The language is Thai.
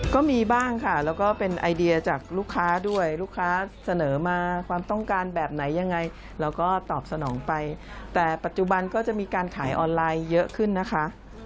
ก็มีบ้างค่ะแล้วก็เป็นไอเดียจากลูกค้าด้วยลูกค้าเสนอมาความต้องการแบบไหนยังไงเราก็ตอบสนองไปแต่ปัจจุบันก็จะมีการขายออนไลน์เยอะขึ้นนะคะ